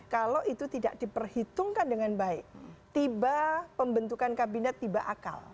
kalau itu tidak diperhitungkan dengan baik tiba pembentukan kabinet tiba akal